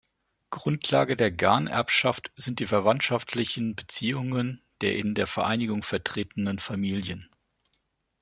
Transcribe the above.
Grundlage der Ganerbschaft sind die verwandtschaftlichen Beziehungen der in der Vereinigung vertretenen Familien.